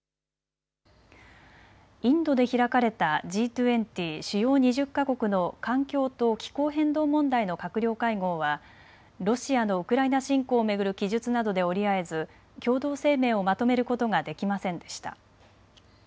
インドで開かれたＧ２０・主要２０か国の環境と気候変動問題の閣僚会合はロシアのウクライナ侵攻を巡る記述などで折り合えず共同声明をまとめることができませんでした。